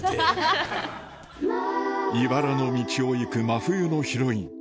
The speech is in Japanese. いばらの道を行く真冬のヒロイン